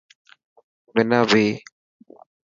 منا ڀهي.